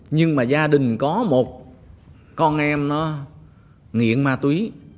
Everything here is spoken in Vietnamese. nhưng mà gia đình có một con em nó nghiện ma túy